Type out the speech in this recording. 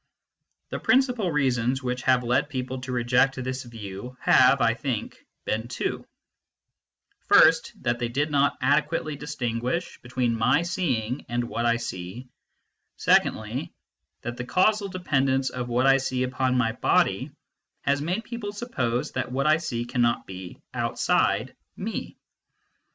The prin cipal reasons which have led people to reject this view have, I think, been two : first, that they did not ade quately distinguish between my seeing and what I see ; secondly, that the causal dependence of what I see upon my body has made people suppose that what I see can not be " outside " me.